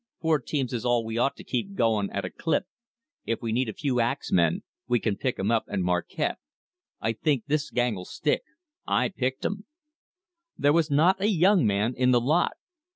"Four teams is all we ought to keep going at a clip. If we need a few axmen, we can pick 'em up at Marquette. I think this gang'll stick. I picked 'em." There was not a young man in the lot.